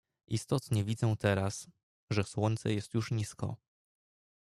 "Istotnie widzę teraz, że słońce jest już nisko."